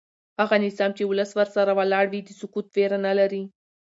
هغه نظام چې ولس ورسره ولاړ وي د سقوط ویره نه لري